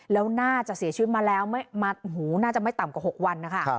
แล้วน่าจะเสียชีวิตมาแล้วน่าจะไม่ต่ำกว่า๖วันนะคะ